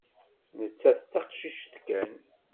Nettat d taqcict kan.